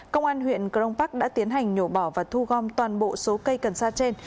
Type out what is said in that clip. công an huyện cron park đã tiến hành nhổ bỏ và thu gom toàn bộ số cây cần sa trên